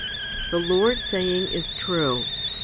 3 The Lord's saying* is true.